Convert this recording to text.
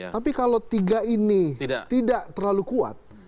tapi kalau tiga ini tidak terlalu kuat